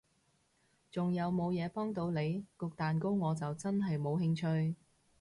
仲有無嘢幫到你？焗蛋糕我就真係冇興趣